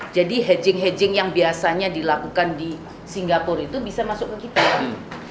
jadi hedging hedging yang biasanya dilakukan di singapura itu bisa masuk ke kita lagi